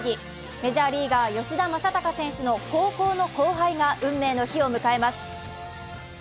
メジャーリーガー・吉田正尚選手の高校の後輩が運命の日を迎えます。